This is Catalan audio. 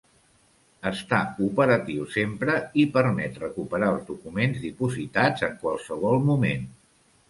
Està operatiu sempre i permet recuperar els documents dipositats en qualsevol moment.